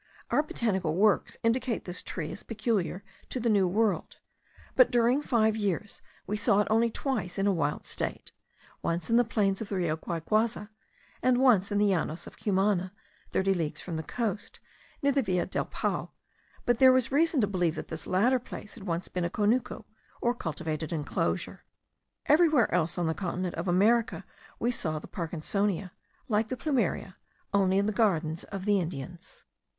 Our botanical works indicate this tree as peculiar to the New World; but during five years we saw it only twice in a wild state, once in the plains of the Rio Guayguaza, and once in the llanos of Cumana, thirty leagues from the coast, near la Villa del Pao, but there was reason to believe that this latter place had once been a conuco, or cultivated enclosure. Everywhere else on the continent of America we saw the Parkinsonia, like the Plumeria, only in the gardens of the Indians.